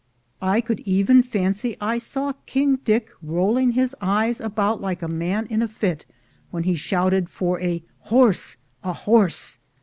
I could even fancy I saw King Dick rolling his eyes about like a man in a fit, when he shouted for "A horse! a horse!"